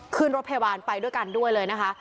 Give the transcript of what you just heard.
ขึ้นรถพยาบาลไปด้วยกันด้วยเลยนะคะ